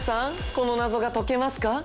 この謎が解けますか？